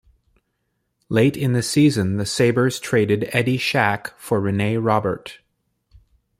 Late in the season the Sabres traded Eddie Shack for Rene Robert.